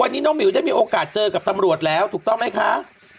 วันนี้น้องหมิวได้มีโอกาสเจอกับตำรวจแล้วถูกต้องไหมคะ